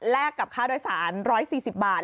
กับค่าโดยสาร๑๔๐บาท